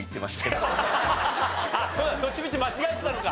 どっちみち間違えてたのか。